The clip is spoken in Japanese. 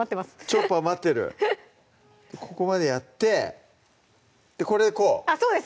「チョッパー」待ってるここまでやってこれでこうあっそうです